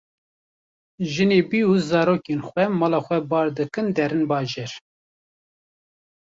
Jinebî û zarokên xwe mala xwe bar dikin derin bajêr